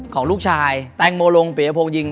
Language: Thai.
ของลูกชายแตงโมโลงปียัพพองยิง